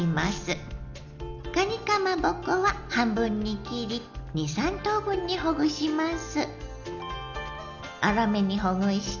かにかまぼこは半分に切り２３等分にほぐします。